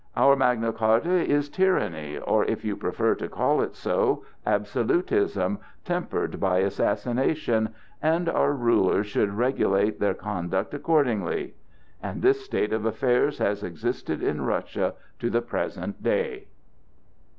Our Magna Charta is tyranny, or if you prefer to call it so, absolutism, tempered by assassination, and our rulers should regulate their conduct accordingly!" And this state of affairs has existed in Russia to the present day.